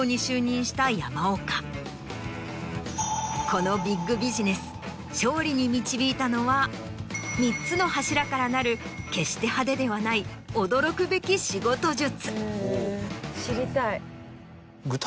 このビッグビジネス勝利に導いたのは３つの柱からなる決して派手ではない驚くべき仕事術。